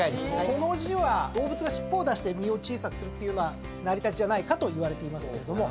この字は動物が尻尾を出して身を小さくするていう成り立ちじゃないかといわれていますけれども。